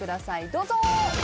どうぞ。